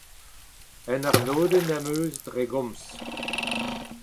Un arnodenn am eus dre gomz.